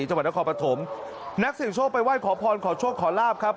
รูปปล้านพระยานณคราชภพพระูศีสุทโฑและมิญญาณสีปฐมากันอย่างคึกที่เดียว